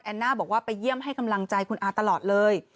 น่าบอกว่าไปเยี่ยมให้กำลังใจคุณอาตลอดเลย